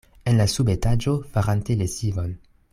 En la subetaĝo, farante lesivon.